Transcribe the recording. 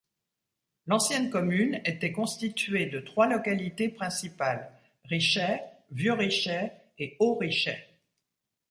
L'ancienne commune était constituée de trois localités principales, Richet, Vieux-Richet et Haut-Richet.